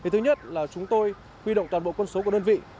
thứ nhất là chúng tôi huy động toàn bộ quân số của đơn vị